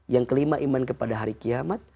yang kelima iman kepada hari kiamat